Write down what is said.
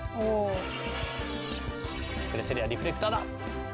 クレセリアリフレクターだ！